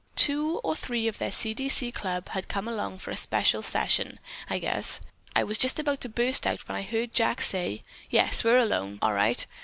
Two or three of their 'C. D. C.' club had come over for a special session, I guess. I was just about to burst out when I heard Jack say, 'Yes, we're alone, all right!